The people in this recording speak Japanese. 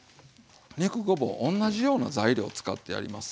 肉ごぼう同じような材料使ってやります。